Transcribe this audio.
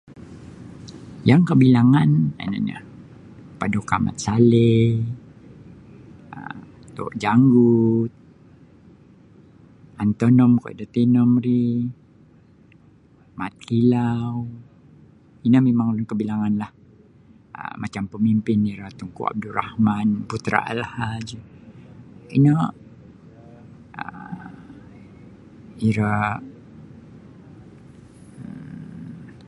Yang kabilangan ino nio Paduka Mat Salih um Tok Janggut Antonom kuo da Tenom ri Mat Kilau ino mimang kabilanganlah um macam pamimpin iro Tunku Abdul Rahman Putra Alhaj ino um iro um.